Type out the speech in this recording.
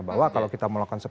bahwa kalau kita melakukan